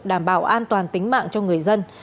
đảm bảo an toàn tính mạng cho người dân